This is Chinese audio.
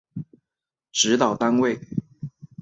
指导单位